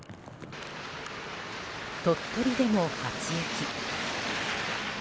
鳥取でも初雪。